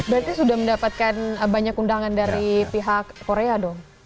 berarti sudah mendapatkan banyak undangan dari pihak korea dong